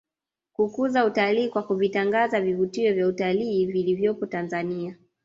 Kukuza utalii kwa kuvitangaza vivutio vya utalii vilivyopo Tanzania